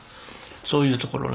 そういうところね。